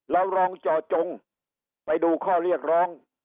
เราลองเจาะจงไปดูข้อเรียกร้อง